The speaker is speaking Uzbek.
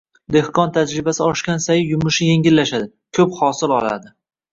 Dehqon tajribasi oshgan sayin yumushi yengillashadi: ko’p hosil oladi.